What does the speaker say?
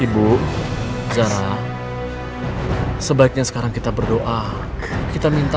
harusnya kamu tuh mikir ya